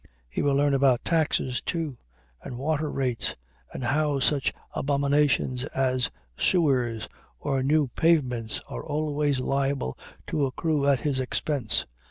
He will learn about taxes, too, and water rates, and how such abominations as sewers or new pavements are always liable to accrue at his expense.